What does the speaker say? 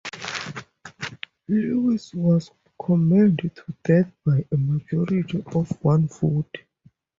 Louis was condemned to death by a majority of one vote.